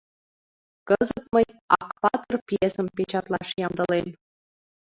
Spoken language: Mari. Кызыт мый «Акпатыр» пьесым печатлаш ямдылем.